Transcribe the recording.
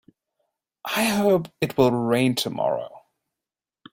I hope it will rain tomorrow.